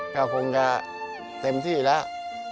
ก็คงจะเต็มที่แล้ว